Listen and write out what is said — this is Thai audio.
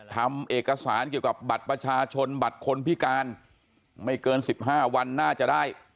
ทำเอกสารเกี่ยวกับบัตรประชาชนบัตรคนพิการไม่เกิน๑๕วันน่าจะได้